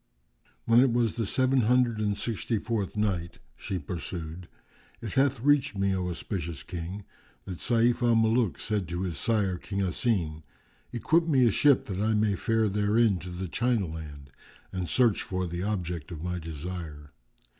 When it was the Seven Hundred and Sixty fourth Night, She pursued, It hath reached me, O auspicious King, that Sayf al Muluk said to his sire King Asim, "Equip me a ship that I may fare therein to the China land and search for the object of my desire.